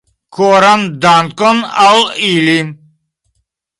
Koran dankon al ili.